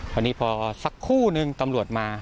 คราวนี้พอสักคู่หนึ่งตำรวจมา